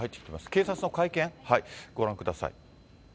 警察の会見、ご覧ください。